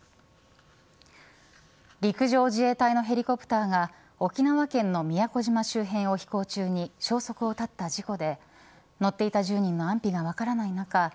陸上自衛隊のヘリコプターが沖縄県の宮古島周辺を飛行中に消息を絶った事故で乗っていた１０人の安否がわからない中